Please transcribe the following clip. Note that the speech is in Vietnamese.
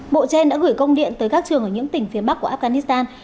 bộ trên đã gửi công điện tới các trường ở những tỉnh phía bắc của afghanistan